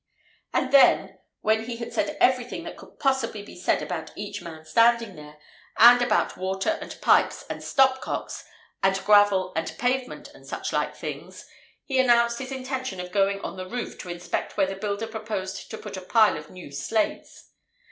"And then, when he had said everything that could possibly be said about each man standing there, and about water and pipes and stop cocks and gravel and pavement and suchlike things, he announced his intention of going on the roof to inspect where the builder proposed to put the pile of new slates.